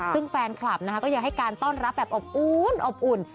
ซึ่งแฟนคลับก็ยังให้การต้อนรับแบบอบอุ่น